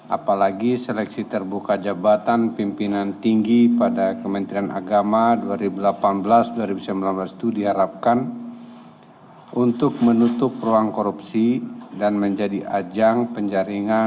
apalagi seleksi terbuka jabatan pimpinan tinggi pada kementerian agama dua ribu delapan belas dua ribu sembilan belas itu diharapkan untuk menutup ruang korupsi dan menjadi ajang penjaringan